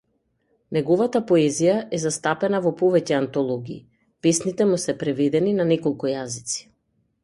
Неговата поезија е застапена во повеќе антологии, песните му се преведени на неколку јазици.